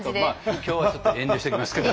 今日はちょっと遠慮しときますけど。